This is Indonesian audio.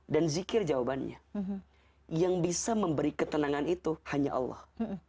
dan zikir jawabannya yang bisa memberi ketenangan itu hanya allah